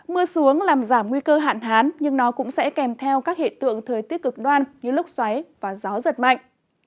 mưa xuống làm giảm nguy cơ hạn hán nhưng nó cũng sẽ kèm theo các hiện tượng thời tiết cực đoan như lúc xoáy và gió giật mạnh